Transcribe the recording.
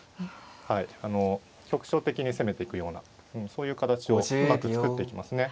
はいあの局所的に攻めていくようなそういう形をうまく作っていきますね。